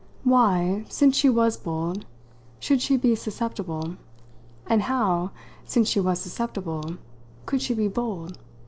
Why, since she was bold, should she be susceptible, and how, since she was susceptible, could she be bold?